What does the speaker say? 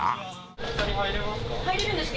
２人は入れますか？